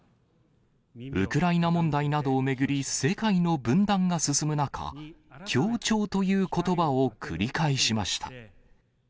ウクライナ問題などを巡り、世界の分断が進む中、協調ということばを繰り返しました。